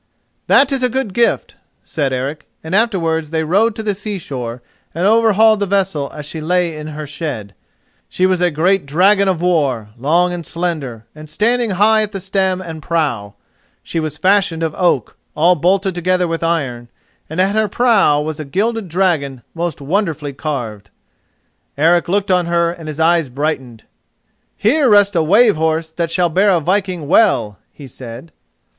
"That is a good gift," said Eric; and afterwards they rode to the seashore and overhauled the vessel as she lay in her shed. She was a great dragon of war, long and slender, and standing high at stem and prow. She was fashioned of oak, all bolted together with iron, and at her prow was a gilded dragon most wonderfully carved. Eric looked on her and his eyes brightened. "Here rests a wave horse that shall bear a viking well," he said.